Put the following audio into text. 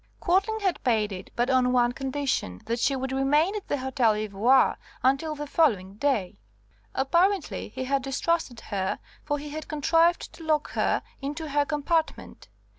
Quadling had paid it, but on one condition, that she would remain at the Hotel Ivoire until the following day. Apparently he had distrusted her, for he had contrived to lock her into her compartment.